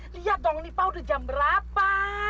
lihat dong nih pak udah jam berapa